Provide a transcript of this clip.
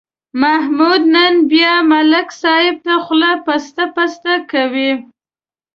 محمود نن بیا ملک صاحب ته خوله پسته پسته کوي.